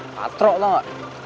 patro tau gak